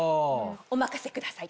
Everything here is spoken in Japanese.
お任せください。